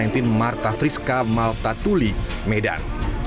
di marta friska malta tuli medan